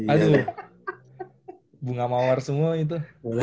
aduh bunga mawar semua itu